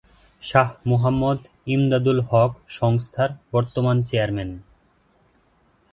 শাহ মোহাম্মদ ইমদাদুল হক সংস্থার বর্তমান চেয়ারম্যান।